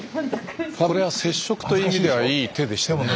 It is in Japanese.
これは接触という意味ではいい手でしたね。